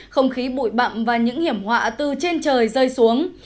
không khí bụi bậm và những hiểm họa từ trên trời rơi xuống